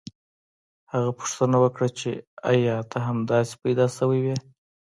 هغه پوښتنه وکړه چې ایا ته همداسې پیدا شوی وې